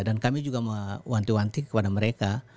dan kami juga mewanti wanti kepada mereka